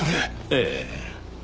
ええ。